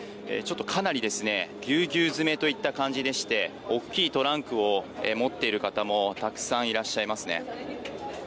かなりぎゅうぎゅう詰めといった感じでして大きいトランクを持っている方もたくさんいらっしゃいますね。